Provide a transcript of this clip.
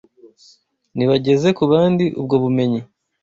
Nibageze ku bandi ubwo bumenyi